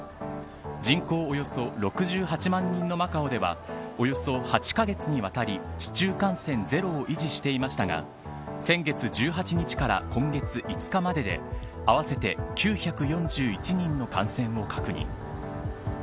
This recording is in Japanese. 人口およそ６８万人のマカオではおよそ８カ月にわたり市中感染ゼロを維持していましたが先月１８日から今月５日までで合わせて９４１人の感染を確認。